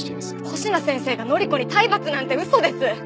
星名先生が範子に体罰なんて嘘です！